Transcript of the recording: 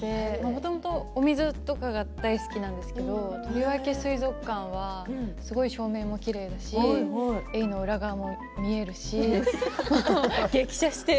もともとお水とかが大好きなんですがとりわけ水族館はすごい照明がきれいでエイの裏側も見えるし激写して。